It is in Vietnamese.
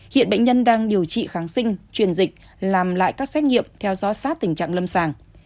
hiện bệnh nhân đang điều trị kháng sinh truyền dịch làm lại các xét nghiệm theo dõi sát tình trạng lâm sàng